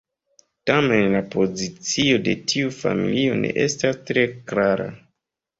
Tamen la pozicio de tiu familio ne estas tre klara.